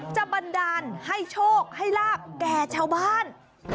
บันดาลให้โชคให้ลาบแก่ชาวบ้าน